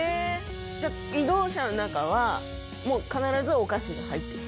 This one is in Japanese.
じゃあ移動車の中は必ずお菓子が入ってて。